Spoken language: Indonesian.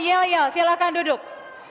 yel yel silakan duduk